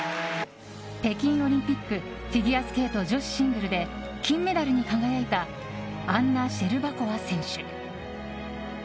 北京オリンピックフィギュアスケート女子シングルで金メダルに輝いたアンナ・シェルバコワ選手。